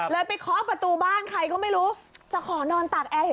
ไปเคาะประตูบ้านใครก็ไม่รู้จะขอนอนตากแอร์